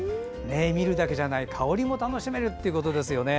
見るだけじゃない香りも楽しめるということですね。